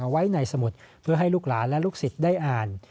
ไว้ในสมุดเพื่อให้ลูกหลานและลูกศิษย์ได้อ่าน